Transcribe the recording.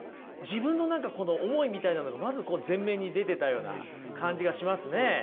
自分の何か思いみたいなのがまず前面に出てたような感じがしますね。